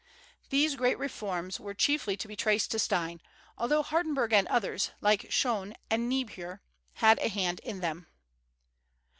These great reforms were chiefly to be traced to Stein, although Hardenberg and others, like Schön and Niebuhr, had a hand in them.